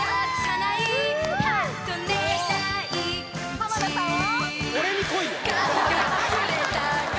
浜田さんを！